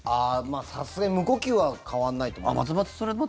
さすがに無呼吸は変わらないと思います。